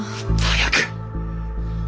早く！